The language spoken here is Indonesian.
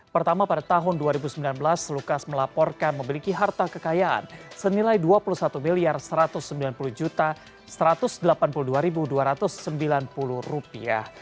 pertama pada tahun dua ribu sembilan belas lukas melaporkan memiliki harta kekayaan senilai dua puluh satu satu ratus sembilan puluh satu ratus delapan puluh dua dua ratus sembilan puluh rupiah